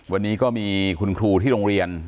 วันนี้ก็มีคุณครูที่โรงเรียน